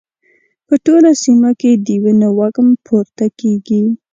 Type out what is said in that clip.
په ټوله سيمه کې د وینو وږم پورته کېږي.